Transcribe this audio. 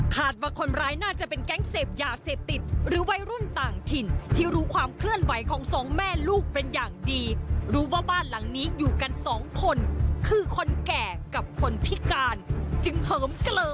ข้าวไทยรัฐทีวี